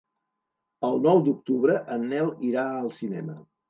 El nou d'octubre en Nel irà al cinema.